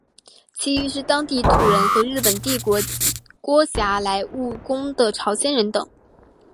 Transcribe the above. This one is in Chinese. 其余是当地土人和日本帝国裹挟来务工的朝鲜人等。